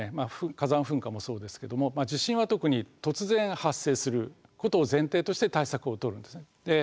火山噴火もそうですけども地震は特に突然発生することを前提として対策を取るんですね。